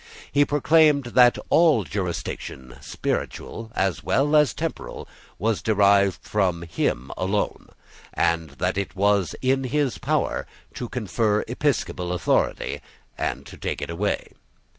He proclaimed that all jurisdiction, spiritual as well as temporal, was derived from him alone, and that it was in his power to confer episcopal authority, and to take it away.